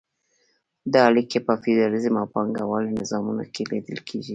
دا اړیکې په فیوډالیزم او پانګوالۍ نظامونو کې لیدل کیږي.